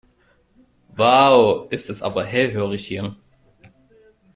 Wow, ist das aber hellhörig hier.